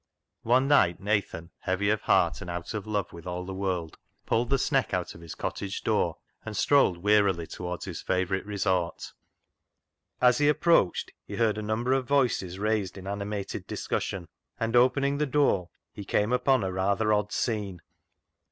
One night Nathan, heavy of heart and out of love with all the world, pulled the sneck out of his cottage door and strolled wearily towards his favourite resort. TATTY ENTWISTLE'S RETURN 115 As he approached, he heard a number of voices raised in animated discussion, and, opening the door, he came upon a rather odd scene.